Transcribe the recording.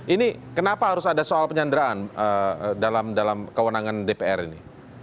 ini kenapa harus ada soal penyanderaan dalam kewenangan dpr ini